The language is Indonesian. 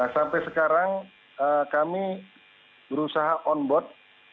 sampai sekarang kami berusaha on board